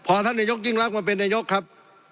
พอท่านนายกยิ่งรักมาเป็นนายกครับ